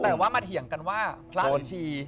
แต่ว่ามาเถียงกันว่าพระชี